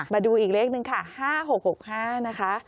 มาดูอีกเลขหนึ่งค่ะ๕๖๖๕นะคะ